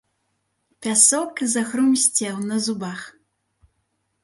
Пясок захрумсцеў на зубах.